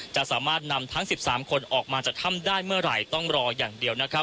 จะสามารถนำทั้ง๑๓คนออกมาจากถ้ำได้เมื่อไหร่ต้องรออย่างเดียวนะครับ